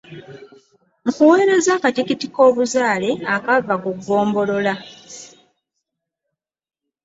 Nkuweerezza akatikiti k'obuzaale akaava ku Ggombolola.